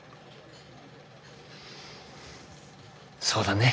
そうだね。